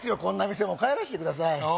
こんな店もう帰らしてください